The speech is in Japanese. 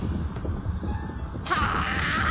はあ？